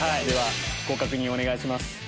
ではご確認お願いします。